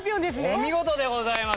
お見事でございます！